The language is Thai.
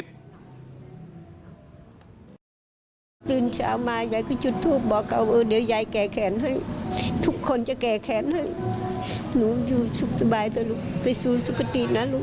ทุกคนจะแก่แขนให้ดูสบายตัวลูกไปสู้สุขตินะลูก